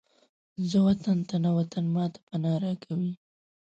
زه وطن ته نه، وطن ماته پناه راکوي